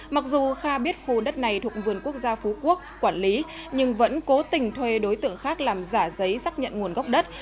mặc dù kha biết khu đất này thuộc vườn quốc gia phú quốc quản lý nhưng vẫn cố tình thuê đối tượng khác làm giả giấy xác nhận nguồn gốc đất